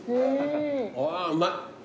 あぁうまい。